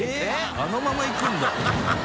あのままいくんだ。